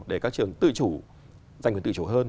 để các trường tự chủ doanh nghiệp tự chủ hơn